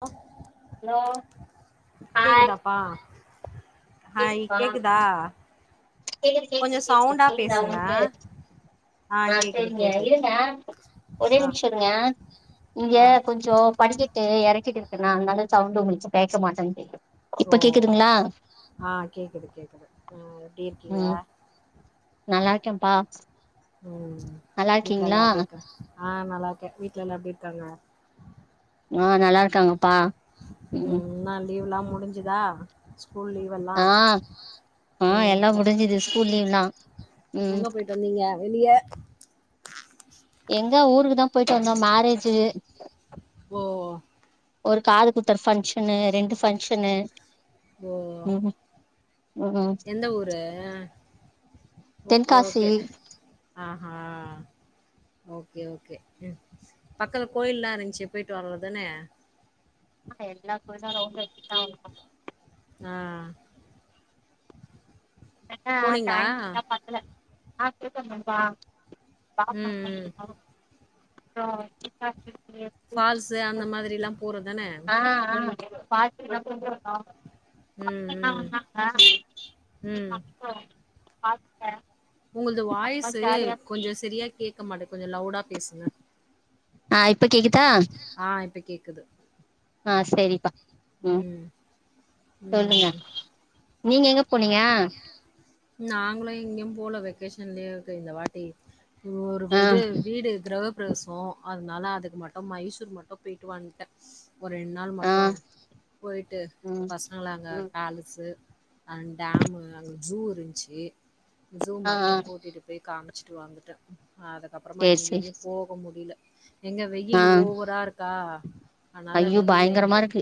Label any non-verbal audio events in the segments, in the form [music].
அ hello hi hi கேக்குதுப்பா கேக்குதா கேக்குது கொஞ்சோ கேக்குது கேக்குது சவுண்டா கேக்குதா பேசுங்க உங்களுக்கு ஆ கேக்குது சேரிங்க கேக்குது இருங்க ஒரே ஆ நிமிஷோ இருங்க இங்க ஆ கொஞ்சொ படிக்க ட்டு எறக்கிட்ருக்கனா அதனால சௌண்டு உங்களுக்கு கேக்க மாட்டேங்கிது ஓ ஆ கேக்குது கேக்குது ம் எப்டி இருக் கீங்க ம் நல்லா இருக்கம்ப்பா ம் வீட்லல்லா எப்டி இருக்கா ஆ நல்லா இருக்கே வீட்லலா எப்டி இருக்காங்க ஆ நல்லா இருக்காங்கப்பா ம் நல் லீவ்லா முடிஞ்சுதா ஸ்கூல் லீவெல்லா ஆ ஆ ம் எல்லா ச- முடிஞ்சிது ஸ்கூல் லீவ்ல்லா எங்க போயிட்டு வந்தீங்க வெளிய எங்க ஊருக்கு தா போயிட்டு வந்தோ மேரேஜு ஓ ஓ ஒரு காது குத்தர ஃபங்க்ஷனு ரெண்டு ஃபங்க்ஷனு ஓ ம் ம் எந்த ஊரு அ ஓகே தென்காசி ஓகே ஆ ஆ ஓகே ஓகே ம் பக்கத்து கோயில்லா இருந்த்ச்சு போயிட்டு வர்றதுதான ஆ எல்லா கோயிலு ரவுண்டு அடிச்சிட்தா வந்தோ ஆ ஆனா போனீங்களா? டைம்தா பத்தல ஆ போயிட்டு வந்தோம்ப்பா [inaudible] ம், ம். [inaudible] ஃபால்சு அந்த மாதிரில்லா போறதுதா ஆ ஆ ஃபால்ஸுக்லா போயிட்டு வந்தோ [inaudible] ம், ம், வந்தாங்க பாத்ட்ட உங்கள்து வாய்ஸ்சு கொஞ்சோ சரியா கேக் க்கமாட்டுக் கொஞ்ச லவுடா பேசுங்க ஆ இப்ப கேக்குதா க்குது ஆ செரிப்பா ம் ம், சொல்லுங்க ம். நீங்க எங்க போனீங்க நாங்களு எங்கையு போல வெக்கேஷன் லீவுக்கு இந்த வாட்டி ஒரு ஆ இது வீடு கிரஹ பிரசோ அதனால அதுக்கு மட்டு மைசூர் மட்டு பொயிட்டு வன்ட்டே ஒரு ரெண்ட் நாள் ஆ மட்டு பொயிட்டு ம் பசங்கள அங்க ம் பேலஸு அன்ட் டேமு அங்க ஸூ இருந்ச்சி ஷு ஆ ஆ மட்டு கூட்டிட்டு போய் காம்ச்சிட்டு வந்துட்ட அதக்கப்றமா சேரி சேரி எங்கேய்மே போக முடில எங்க ஆ வெயில் ஓவரா இருக் க்கா ஐயோ பயங்கரமா இருக்கு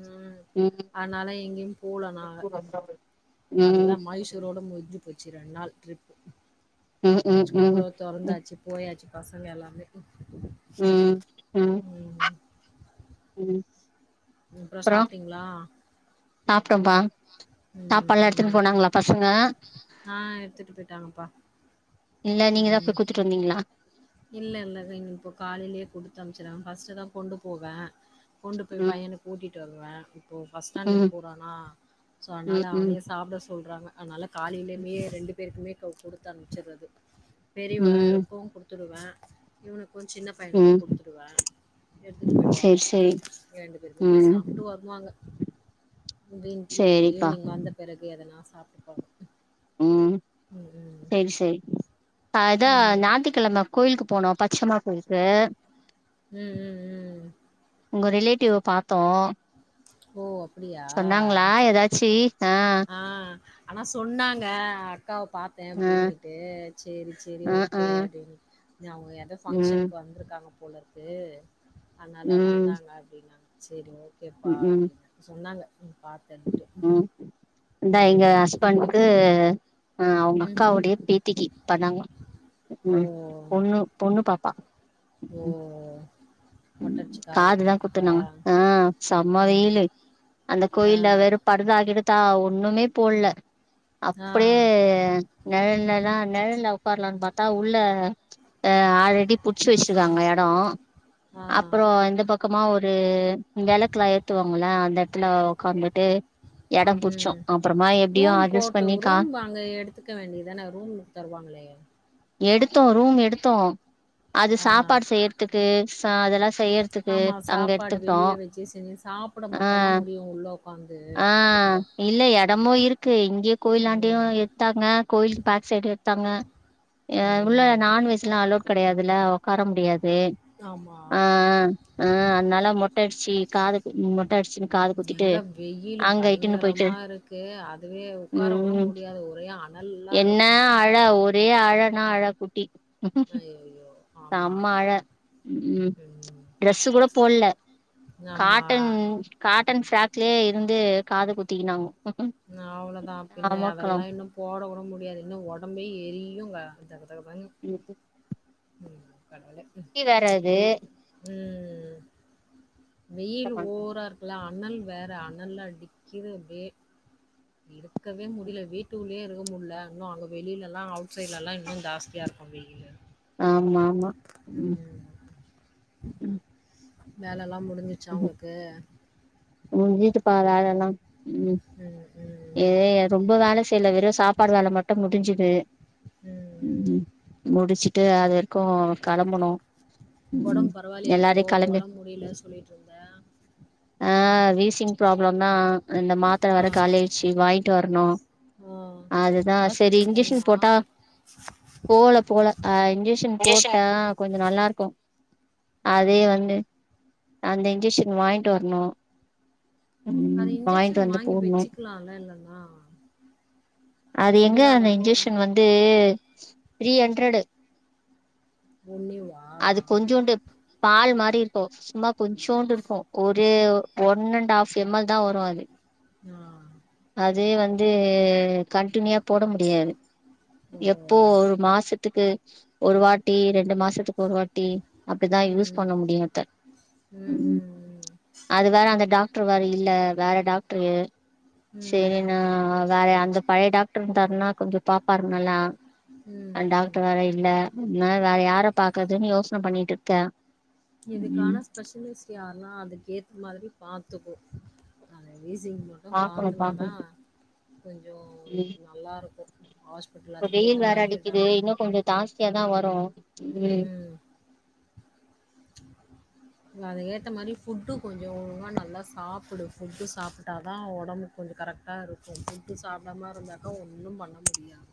உம் ம் அதனால எங்கேயு போல நாங்க ம் அதுதா ம் மைசூரோட முஞ்சு போச்சி ரெண் நாள் ட்ரிப்பு ம் ம் ஸ்கூலோ தொறந்தாச்சு போயாச்சு பசங்க எல்லாமே உம் ம் உம் அப்றோ சாப்ட்டீங்ளா சாப்ட்டோம்பா சாப்பாட்லா எடுத்துன் போனாங்களா பசங்க ஆஹ் எடுத்துட்டு பொயிட்டாங்கப்பா இல்ல நீங்கதா போய் குடுத்துட்டு வந்தீங்களா இல்ல இல்ல த இன்னி இப்போ காலைலயே குடுத்து அம்சுருவே ஃபர்ஸ்ட்டுதா கொண்டு போவே கொண்டு போய் ம் பையனுக்கு ஊட்டிட் ட்டு வருவே இப்போ ஃபஸ்ட் ஸ்டாண்டர்ட் ம் போறானா சோ அதனால ம் ம் அவனயே சாப்ட சொல்றாங்க அதனால காலேலுமையே ரெண்டு பேருக்குமே கவ் குடுத்து அனுப்சறது பெரியவெ ம் ரோம்பவு குரு வ உம் சின்ன பையனுக்கு ம் குடுத்துருவே எடுத்துட்டு பொயிடுவாங்க சேரி சேரி ரெண்டு பேருமே ம் சாப்ட்டு வருவாங்க வீ வீட்ல சேரிப்பா ஈவ்னிங் வந்த பெறகு எதனா சாப்ட்டுப்போ ம் சேரி சேரி அதா ம். ஞாத்திக்கெழம கோயில்க்கு போனோ பச்சமா கோயில்க்கு உம் உம் உம் டிவ பாத்தோம் ஓ ப்புடியா ஆ ஆனா சொன்னாங்க அக்காவ பாத்தே ஆ அப்டினீட்டு சேரி சேரி ஆ ஆ ஓகே அப்டின் அவுங்க எதோ ம் ஃபங்க்ஷன்க்கு வந்துருக்காங்க உனக்கு அனால ம் வந்தாங்க அப்டின்னாங் சேரிங்க கேப்பா ம் ம் அப்டினு சொன்னாங்க பாத் தென்ட்டு அதா எங்க ஹஸ்பண்ட்கு ஆ அ அவுங்க ம்ஹ்ம். அக்காவுடைய பேத்திக்கு பண்ணாங்க ஓ! உம் பொண்ணு பொண்ணு பாத்தா ஓ மொட்ட அடிச்சு காது காதுதா குத்துதுக்கா? குத்துனாங்க ஆ செம்ம ம். வெயிலு அந்த ஆ. கோயில்ல வெறு படுதா கிடுதா ஆ ஒண்ணுமே போல்ல ஆ. அப்புடியே நெழல்லலா நெழல உக்கார்லான் பாத்தா உள்ள அ ஆல்ரெடி புச்சு ஆ. வெச்சிருக்காங்க எடோ ஆ. அப்பறோ இந்த பக் கமா ஒரு வெளக்குலா ஏத்துவாங்கள அந்த எடத்துல ஒக்காந்துட்டு எடம் புட்ச்சோ ம். அப்புறமா எப்டியு ரூம் அட்ஜஸ்ட் போட்டு பண்ணிக்கா ரூம் அங்க எடுத்துக்க வேண்டியது தானே. ரூம் தருவாங்களே! எடுத்தோ ரூம் எடுத்தோ அது ஆ. சாப்பாடு செய்றதுக்கு சாத லா செய்யற்துக்கு ஆமா. அங்க சாப்பாடு எடுத்துக்டோ வெளிய வச்சு செஞ்சு சாப்பிட ஆ மட்டும் தான் முடியும் உள்ள உட்காந்து. ஆ கரெக்ட்டு தான். இல்ல எடமு இருக்கு இங்க கோயிலான்டயு ம். எத்தாங்க கோயில்கு பேக் சைடு தங்க உள்ள ம். நான்வெஜ் எல்லா அலோட் கெடையாதுல்ல கார முடியாது ஆமா. ஆஹ் ஆஹ் ஆஹ் அதனால மொட்ட அடிச்சி காது மொட்ட அடிச்சின்னு காது குத்திட்டு எங்க வெயிலு அங்க இட்டுன்னு போயிட்டு பயங்கரமா இருக்கு. அதுவே உட்கார கூட உம் முடியாது. ஒரே அனலா என்ன இருக்குமே! அழ ஒரே அழன்னா அழ கூ டி ஐயயோ ஆமா ம் ட்ரெஸ்ஸு கூட போட்ல ஆமா. காட்டன் காட்டன் ஃப்ராக்லயே இருந்து காது குத்திக்கினாங்க நா அவ்ளவுதா பின்ன அதெல்லா இன்னு போட கூட முடியாது இன்னு ஒடம்பே எரியுங்க அந்த தக மானி குட்டி அதனால உம் வேற வெயி அது ம் ம்ம் வெயில் ஓவரா இருக்குல்ல அணல் வேற அனல் அடிக்குது அப்டியே இருக்கவே முடில வீட்டுக்குள்ளேயே இருக்க முடில இன்னு அங்க வெளில எல்லா அவுட் சைட்ல எல்லா இன்னு ஜாஸ்தியா இருக்கு வெயிலு ஆமா ஆமா ம். உம் ம். உஉம் வேல நல்லா முடிஞ்சிச்சா அவங்கக்கு உங்க வீட்டு பா வேலல்லா உம் ம். ம். ஏ ரொம்ப வேல செய்யல வெறு சாப்பாடு வேல மட்டு முடிஞ்சுது ம். ம். உம் முடிச்சுட்டு அது வரைக்கு கெலம்பனு உம் உடம்பு பரவாயில்லையா இப்போ? எல்லாரையு கெளம்பி உடம்பு முடியல சொல்லிட்டு இருந்த? ஆஹ் வீசிங் ப்ராப்ளம் தா அந்த மாத்திர வேற ஆ. காலி ஆய் சி வாங்கிட்டு வரணு ஓ அதுதா செரி ஹாஸ்பிட்டல் இன்ஜெக்ஷன் போனீங்களா போட்டா போல போல ஆஹ் இன்ஜெக்ஷன் போட்டா இன்ஜெக்ஷன் கொஞ்சொ நல்லா இருக்கு ஆ அதே வந்து அந்த இன்ஜெக்ஷன் வாங்கிட்டு வர்ணு அந்த இன்ஜெக்ஷன் வாங்கி வச்சுக்கலால இல்ல ஆஹ் அது எங்க அந்த இன்ஜெக்ஷன் வந்து த்ரீ ஹண்ட்ரெடு ஒன்னிவா அது கொஞ்சோண்டு பால் மாரி இரு ஓ சும்மா கொஞ்சோண்டு இருக்கோ ஒரு one and half M L தா வரோ அது ஆஹ் அதே வந்து கன்டினியூவா போட முடியாது ஓ எப்போ ஒரு மாசத்துக்கு ஒரு வாட்டி ரெண்டு மாசத்துக்கு ஒரு வாட்டி அப்டிதா யூஸ் பண்ண ம் முடியு அத்த ம் க்கு ம் அது வேற அந்த டாக்டரு வேர இல்ல வேற டாக்டரு சேரி ம் ம் நா வேற அந்த பழைய டாக்டர் இருந்தாருன்னா கொஞ்சோ பாப்பாரு நல்லா அந்த ம் டாக்டர் வேற இல்ல அதனால வேற யார பாக்குறதுன்னு யோசன பண்ணிட்டு இருக்கே ம் இதுக்கான ஸ்பெஷலிஸ்ட் யாருனா அதுக்கு ஏத்த மாரி பாத்துக்கோ விசிங் மட்டோ பாக்கணு பாத்துக்குனாதா பாக்கணு கொஞ்சோ நல்லா இருக்கோ ஹாஸ்பிட்டல் இப்ப அதுக்கு வெயில் ஏத்த வேற மாரி அடிக்குது டாக் இன்னு கொஞ்சோ ஜாஸ்தியாதா ம் வரு ம் உம் ம் அது ஏத்தா மாரி ஃபுட் கொஞ்சோ ஒழுங்கா நல்லா சாப்புடு ஃபுட்டு சாப்புட்டாதா ஒடம்பு கொஞ்சோ கரெக்டா இருக்கோ ஃபுட்டு சாப்டாம இருந்தாக்கா ஒன்னும் பண்ண முடியாது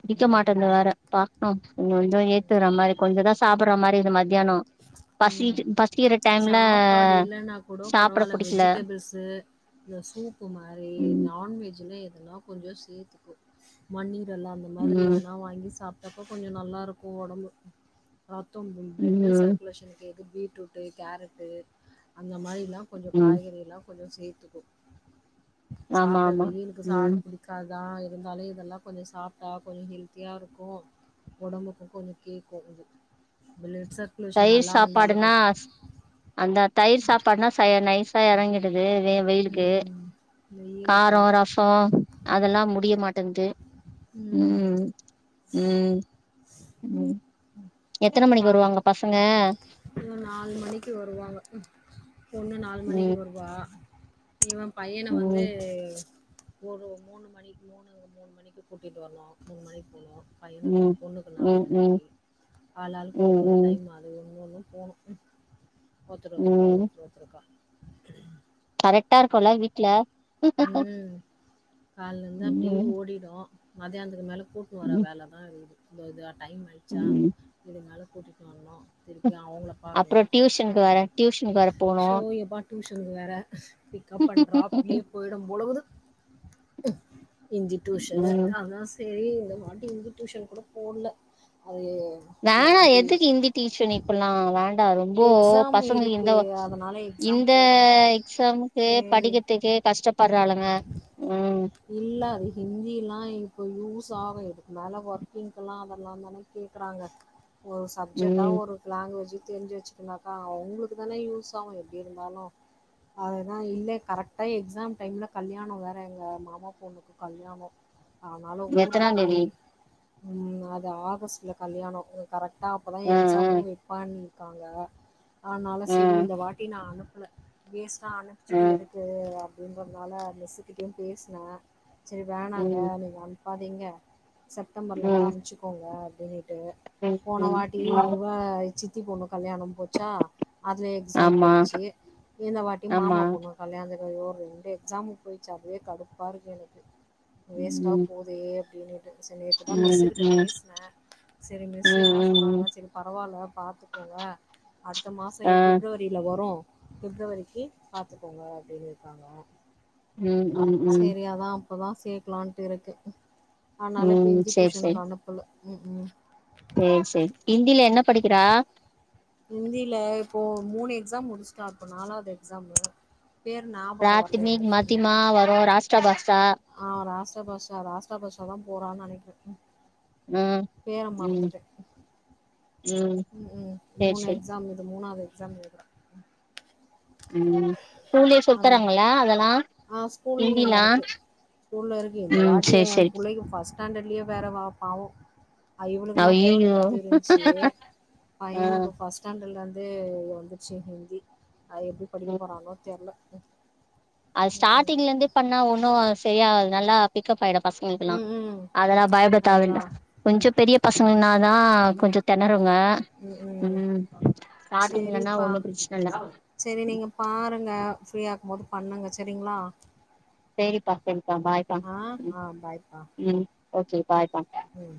புடிக்க மாட்டேன்து வேற பாக்கணு கொஞ்சோ ஏத்துகுறா மாரி கொஞ்சோ தா சாப்புட்ற மாரி இருக்குது மத்தியானோ உம் பசிச்சு பசிக்கிற டைம்ல சாப்பாடு இல்லைன்னா கூடோ சாப்ட பரவால்ல புடிக்கல வெஜிடபிள்ஸ் இல்ல சூப்பு மாரி ம் நான்வெஜ்ல எ லா கொஞ்சோ சேத்துக்கோ மண்ஈரல ல்லா அந்த மாரி ம் எல்லா வாங்கி சாப் அப்பப்போ கொஞ்சோ நல்லா இருக்கோ ஒடம்பு ரத்தோம் உன் பிளட் ம் சர் [unintelligible] பீட்ரூட்டு கேரட்டு அந்த மாரில்லா கொஞ்சோ ம் காய்கறில்லா கொஞ்சோ சேத்துக்கோ ஆமா சாப்ட ஆமா வெயிலுக்கு ம் சாப்ட புடிக்காது தா இருந்தாலு இதெல்லா கொஞ்சோ சாப்டா கொஞ்சோ ஹெல்த்தியா இருக்கோ ஒடம்புக்கோ கொஞ்சோ கேட்கோ பிலட் சர் தயிர் சாப்பாடுன்னா அந்த தயிர் சாப்பாடுன்னா சா நைஸ் சா எறங்கிடுது தே வெ வெயிலுக்கு ம் ம் வெயிலுக்கு காரோ ரசோ அதெல்லா முடிய மாட்டேங்குது ம் உம் உம் உம் எத்தன மணிக்கு வருவாங்க பசங்க இல்ல நாலு மணிக்கு வருவாங்க பொண்ணு நாலு மணிக்கு ம் வருவா இவன் பையனை ம் வந்து ஒரு மூணு மணிக்கு மூணு மூணு மணிக்கு கூட்டிட்டு வரணும் மூணு மணிக்கு போகணும் பையனு ம் பொண்ணுக்கு நாலு ம் ம் மணிக்கு ஆளாளுக்குக் ம் ஒரு ஒரு ம் டைம் அது ஒ [inaudible] எனக்கும் ஒத்துரு ஒத்துருக்கா ம் ஒத்தரு ஒத்தருக்கா கரெக்டா இருக்கும்ல்ல வீட்ல ஹ்ஹ்ஹ. காலைல இருந்து அப்டியே ஓடிடும் மதியானத்துக்கு மேல கூட்டு வர ம் வேலைதா இருகுது. இதுதா டைம் அய்ச்சா ம் இதனால கூட்டிட் வரணு அப்றோ டியூஷனுக்கு வேற டியூஷனுக்கு வேற போனு சோ எப்பார்ட் டுயூஷனுக்கு வேற பிக்கப் அண்ட் ட்ராப்லயி விடும் பொழுது இந்தி டூஷனு ம் அதா சொ சேரி இந்த வாட்டி இந்தி டியூஷன் கூட போடல. அது இந்த வேணா வாட்டி எதுக்கு ஹிந்தி டீயூசன் இப்பல்லாம் வேண் டா ரொம்பே எக்ஸாம் பசங்க இந்த இருக்குது அதனால் எக்ஸாம் இந்த போடணும் எக்ஸாம்க்கு சரி படிக்கிறதுக்கு கஷ்டப்ப றாளுங்க இல்ல அது ஹிந்திலால்ல இப்ப யூஸ் ஆகும் இதுக்கு மேல ஒர்க்கிங்க எல்லா அதெல்லாம் தானே கேக்குறாங்க ஒரு சப்ஜெக்டா ம் ஒரு லாங்குவேஜ் தெரிஞ்சு வச்சுக்கனாக்கா அவங்களுக்கு தானே யூஸ் ஆகும் எப்டி இருந்தாலும் அதுதா இல்ல கரெக்டா எக்ஸாம் டைம்ல கல்யாணம் வேற எங்க மா மா பொண்ணுக்கு கல்யாணம் அதனால ஊருக்கு எத்தனாந்தேதி போயி ம் அது ஆகஸ்ட்ல கல்யாணம் கரெக்ட் தா அப்பதா ஆ ஆ எக்ஸாமும் வெப்பானுங்க இருக்காங்க அதனால ஆ செரி இந்த வாட்டி நான் அனுப். எஸ். ஆ அனுப்பச்சுட்டு இருக்கு. அப்டிங்கறனால மிசுக்கிட்டயு பேசி. ஆ. செரி வேணாங்க ம் நீங்க. பாதிங்க. செப்டம்பர்ல இருந்து ம் அமுச்சுகோங்க ம் [unintelligible] போன ம் வாட்டி ம் இவ சி சித்தி போண்ணு கல்யாணோ போச்சா அதுல எக்ஸாம் ஆமா பொயிச் இன்த வாட்டி ஆமா மாமா பொண்ணு கல்யாணத் ரெண்டு எக்ஸாமோ போயிச் அதுவே கடு பார்க்கனுக்கு வேஸ்ட்டா ம் போதே [unintelligible] செரி நேத்துதா தான் மிஸ் ம் கிட்ட ம் பேசுன செரி மிஸ் ம் என்ன ம் ம் சொன்னாங்கன்னா செரி பரவாயில்ல பார்த்துக்கோங்க அடுத்த மாசோ ஆ பிப்ரவரியில வரும் பிப்ரவரிக்கு பாத்துக்கோங்க அப்டின்னு இருக்காங்க ம் ம் ம் செரிஅதான் அப்போதா சேக்கலாட்டு இருக்கு ஆனால இப்ப ம் இந்தி டியூஷனுக்கு அனுப்பல உம் உம் ம் செரி இன்தி என்ன படிக்கிறா இந்தில இப்போ மூணு எக்ஸாம் முடிச்சுட்டா இப்போ நாலாவது எக்ஸாம் பிராத்மி மத்திமா வரும் ரா சபாஸ் ஆஹ் ராஷ்றபஷா ராஷ்றபஷா தான் போறான் நினைக்கிறே ம் ம் பேர ம் மறந்துட ம் ம் சேரி மூணு சேரி எக்ஸாம் இது மூணாவது [unintelligible] ம் ஸூலயே அதா சொல்தறாங்கள அதெல்லா ஆ ஸ்கூல்லயு இந்திலா இருக்கு உம் செரி செரி ட்டாண்டலியே வேறு வா்பாவும் இவளுக்குனா தேர்ட்ல அய்யய்யோ இருந்து இருந்துச்சு ஆ பையனுக்கு ஃபஸ்ட் ஸ்டாண்டர்ட்லருந்து து வந்துச்சு ஹிந்தி ஐ படிக்க ம் போறாங்களோ தெர்ல [unintelligible] அது ஸ்டார்டிங்ல இருந்தே பண்ணா ஒண்ணும் சரியாது நல்லா பிக்கப் ஆய்டும் பசங்களுக்கெல்லாம் ம் ம் அதெல்லாம் பயபட அதுதா தேவல்ல கொஞ்சம் பெரிய பசங்கனாதான் கொஞ்சம் திணருங்க ம் ம் உஹம் ஷ்டாடிங்லனா சேரிப்பா ஒண்ணும் பிரச்சன இல்ல சேரி நீங்க பாருங்க ஃப்ரீயா இருக்கும்போது பண்ணுங்க செரிங்களா செரிப்பா செரி பாய்க்கா உ ஆ உம் ஓகே பாய்பா உம்